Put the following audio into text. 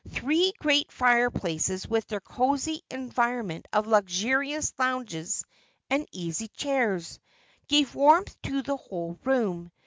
Three great fireplaces, with their cosy environment of luxurious lounges and easy chairs, gave warmth to the whole room.